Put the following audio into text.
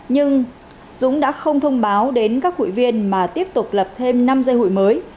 nhưng dũng đã không thông báo đến các hội viên mà tiếp tục lập thêm năm dây hụi mới